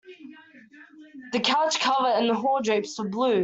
The couch cover and hall drapes were blue.